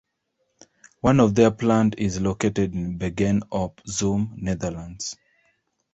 One of their plants is located in Bergen op Zoom, Netherlands.